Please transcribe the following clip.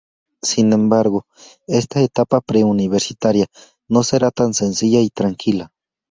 Sin embargo, esta etapa pre universitaria no será tan sencilla y tranquila.